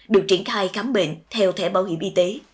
được triển khai khám bệnh theo thẻ bảo hiểm y tế